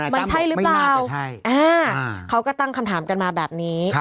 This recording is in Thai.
มันใช่หรือเปล่าเขาก็ตั้งคำถามกันมาแบบนี้